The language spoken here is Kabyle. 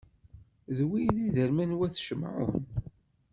D wigi i d iderman n wat Cimɛun.